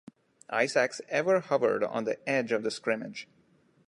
Isaacs ever hovered on the edge of the scrimmage.